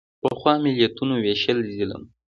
پخوا ملتونو وېشل ظلم و.